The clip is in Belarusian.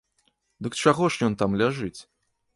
Дык чаго ж ён там ляжыць?